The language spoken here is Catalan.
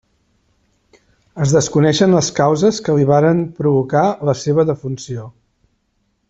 Es desconeixen les causes que li varen provocar la seva defunció.